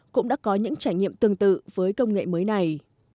cũng đã có những trải nghiệm tương tự với công nghệ mới này